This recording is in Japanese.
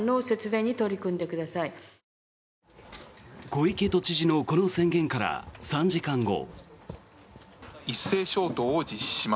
小池都知事のこの宣言から３時間後。